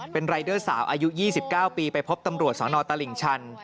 เป็นรายเดอร์สาวอายุ๒๙ปีไปพบตำรวจสนตลิ่งชัน